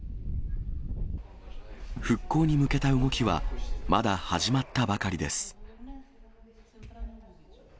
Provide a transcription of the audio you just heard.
復興に向けた動きは、まだ始まったばかりです。